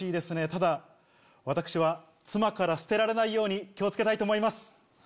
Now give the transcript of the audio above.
ただ私は妻から捨てられないように気を付けたいと思います。